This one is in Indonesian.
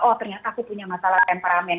oh ternyata aku punya masalah temperamen